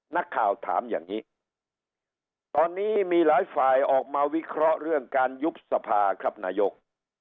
นักข่าวถามอย่างนี้ตอนนี้มีหลายฝ่ายออกมาวิเคราะห์เรื่องการยุบสภาครับนายก